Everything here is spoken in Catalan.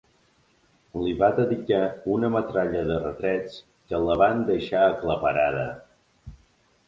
Li va dedicar una metralla de retrets que la van deixar aclaparada.